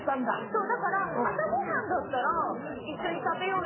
そうだから朝ご飯だったら一緒に食べようよって。